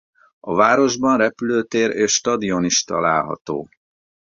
A városban repülőtér és stadion is található.